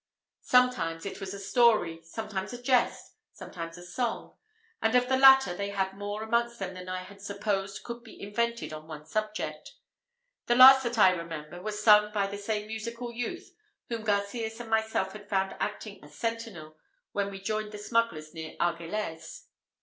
Sometimes it was a story, sometimes a jest, sometimes a song; and of the latter, they had more amongst them than I had supposed could be invented on one subject. The last that I remember, was sung by the same musical youth whom Garcias and myself had found acting as sentinel when we joined the smugglers near Argelez.